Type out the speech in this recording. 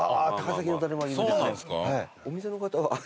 お店の方は？